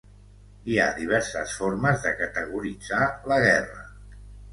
Hi ha diverses formes de categoritzar la guerra.